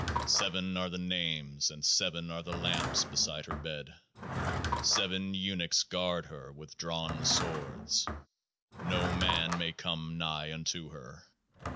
Seven are the names, and seven are the lamps beside Her bed. Seven eunuchs guard Her with drawn swords ; No Man may come nigh unto Her.